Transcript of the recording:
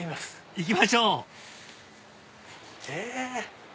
行きましょうえ？